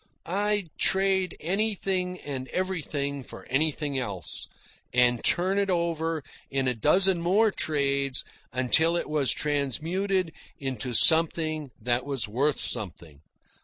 I'd trade anything and everything for anything else, and turn it over in a dozen more trades until it was transmuted into something that was worth something.